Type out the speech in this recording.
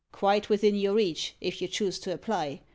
Quite within your reach, if you choose to apply.